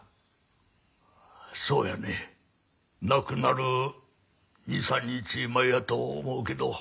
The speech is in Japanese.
そうやね亡くなる２３日前やと思うけど。